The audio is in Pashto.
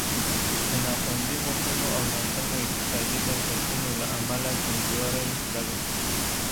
د نا خوندي حقونو او ناسمو اقتصادي بنسټونو له امله کمزوری کړل.